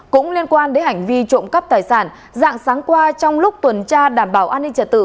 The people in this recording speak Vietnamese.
cũng liên quan đến hành vi trộm cắp tài sản dạng sáng qua trong lúc tuần tra đảm bảo an ninh trật tự